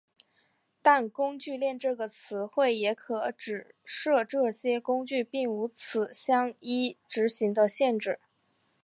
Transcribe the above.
但工具链这个词汇也可指涉这些工具并无此相依执行的限制。